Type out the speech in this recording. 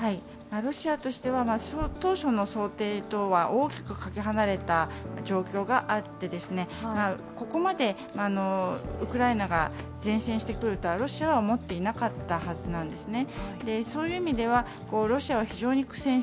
ロシアとしては当初の想定とは大きくかけ離れた状況があって、ここまでウクライナが善戦してくるとはロシアは思っていなかったはずなんですね。